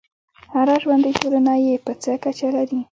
هره ژوندی ټولنه یې په څه کچه لري.